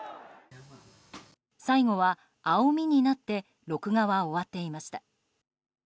最後は青味になって録画は終わっていました。